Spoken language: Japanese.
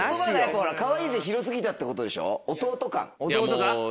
「かわいい」じゃ広過ぎたってことでしょ？